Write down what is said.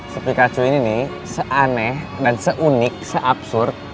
si pikachu ini nih seaneh dan seunik seabsurd